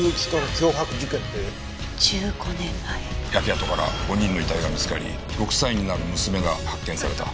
焼け跡から５人の遺体が見つかり６歳になる娘が発見された。